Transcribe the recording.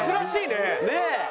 ねえ。